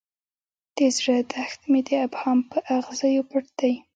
د زړه دښت مې د ابهام په اغزیو پټ دی.